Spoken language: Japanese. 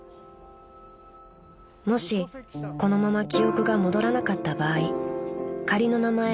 ［もしこのまま記憶が戻らなかった場合仮の名前